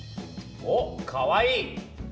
おっかわいい！